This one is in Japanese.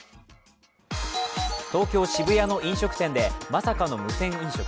東京・渋谷の飲食店でまさかの無銭飲食。